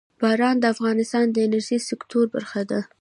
باران د افغانستان د انرژۍ د سکتور برخه ده.